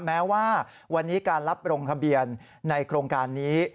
แม้ว่าวันนี้การรับลงทะเบียนในโครงการนี้